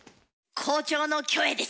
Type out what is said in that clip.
校長のキョエです。